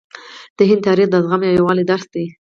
د هند تاریخ د زغم او یووالي درس دی.